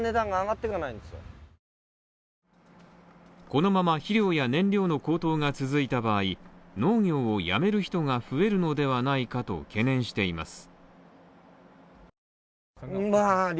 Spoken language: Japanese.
このまま肥料や燃料の高騰が続いた場合、農業をやめる人が増えるのではないかと懸念しています。